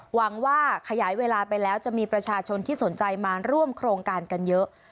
หวังว่าขยายเวลาไปแล้วจะมีประชาชนที่สนใจมาร่วมโครงการกันเยอะ